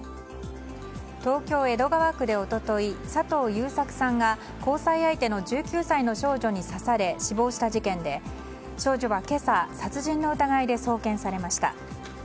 東京・江戸川区で一昨日佐藤優作さんが交際相手の１９歳の少女に刺され死亡した事件で少女は今朝、殺人の疑いで送検されました。